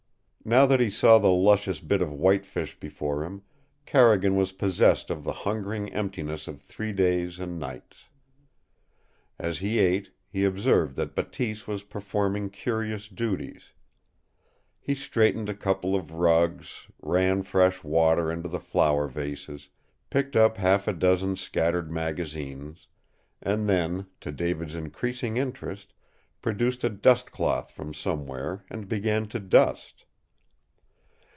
Now that he saw the luscious bit of whitefish before him, Carrigan was possessed of the hungering emptiness of three days and nights. As he ate, he observed that Bateese was performing curious duties. He straightened a couple of rugs, ran fresh water into the flower vases, picked up half a dozen scattered magazines, and then, to David's increasing interest, produced a dust cloth from somewhere and began to dust.